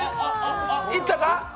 いったか？